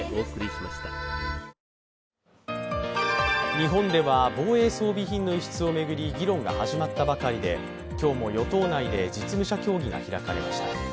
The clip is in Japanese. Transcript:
日本では防衛装備品の輸出を巡り議論が始まったばかりで今日も、与党内で実務者協議が開かれました。